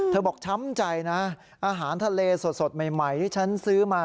บอกช้ำใจนะอาหารทะเลสดใหม่ที่ฉันซื้อมา